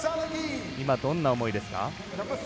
今、どんな思いですか。